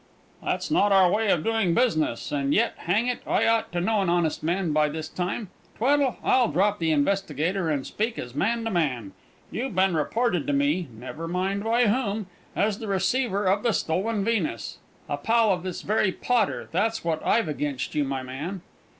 "That's not our way of doing business; and yet, hang it, I ought to know an honest man by this time! Tweddle, I'll drop the investigator, and speak as man to man. You've been reported to me (never mind by whom) as the receiver of the stolen Venus a pal of this very Potter that's what I've against you, my man!"